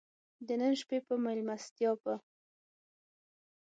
د نن شپې په مېلمستیا به.